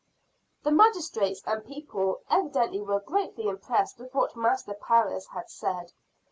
The magistrates and people evidently were greatly impressed with what Master Parris had said.